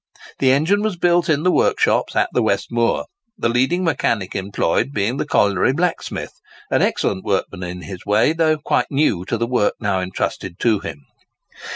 The engine was built in the workshops at the West Moor, the leading mechanic employed being the colliery blacksmith, an excellent workman in his way, though quite new to the work now entrusted to him.